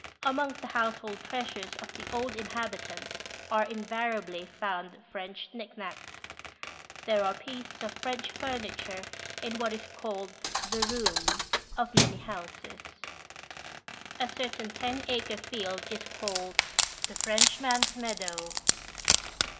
Amongst the household treasures of the old inhabitants are invariably found French knick knacks : there are pieces of French furniture in what is called " the room " of many houses. A certain ten acre field is called the " Frenchman's meadow."